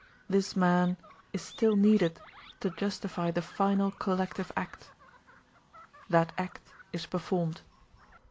This man is still needed to justify the final collective act. That act is performed.